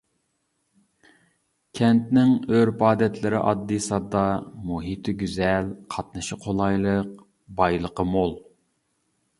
كەنتنىڭ ئۆرپ-ئادەتلىرى ئاددىي-ساددا، مۇھىتى گۈزەل، قاتنىشى قولايلىق، بايلىقى مول.